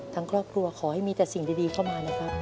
ทั้งครอบครัวขอให้มีแต่สิ่งดีเข้ามานะครับ